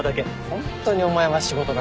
ホントにお前は仕事が好きだな。